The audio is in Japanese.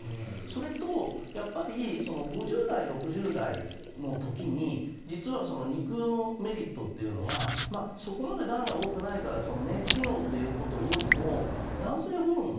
それと５０代、６０代の時に実は肉のメリットというのはそこまでがんが多くないから免疫機能ということよりも男性ホルモン